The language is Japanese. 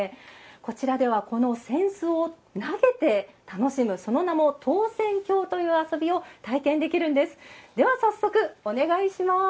こちらではこの扇子を投げて楽しむその名も投扇興という遊びを体験できるんです。